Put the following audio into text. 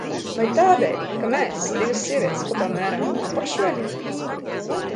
Vai tādēļ, ka mēs, divas sievietes, kopā mērām apakšveļu?